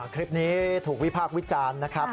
คลิปนี้ถูกวิพากษ์วิจารณ์นะครับ